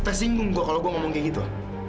tak singgung gua kalau gua ngomong kayak gitu